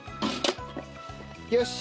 よし！